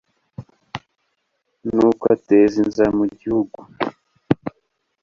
Nuko ateza inzara mu gihugu